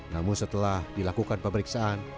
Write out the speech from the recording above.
namun setelah dilakukan pemeriksaan